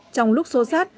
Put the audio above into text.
trong lúc sô sát